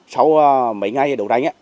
sau mấy ngày đấu đánh